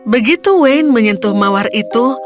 begitu wayne menyentuh mawar itu